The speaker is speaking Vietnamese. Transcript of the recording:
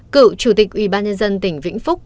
cựu chủ tịch ubnd tỉnh vĩnh phúc